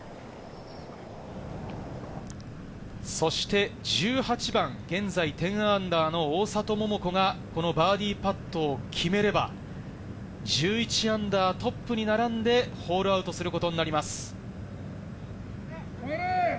そして１８番、現在−１０の大里桃子が、バーディーパットを決めれば、−１１、トップに並んでホールアウトすることになります。